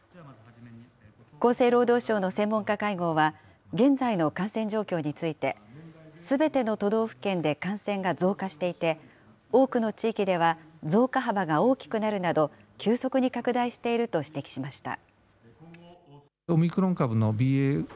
厚生労働省の専門家会合は、現在の感染状況について、すべての都道府県で感染が増加していて、多くの地域では増加幅が大きくなるなど、急速に拡大していると指摘しました。